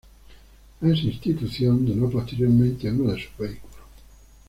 A esa institución donó posteriormente uno de sus vehículos.